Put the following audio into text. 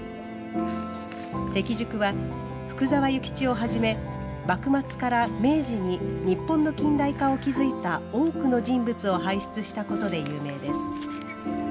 適塾は、福沢諭吉をはじめ幕末から明治に日本の近代化を築いた多くの人物を輩出したことで有名です。